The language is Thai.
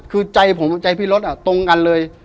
คือใจผมใจพี่รถตรงกันเลย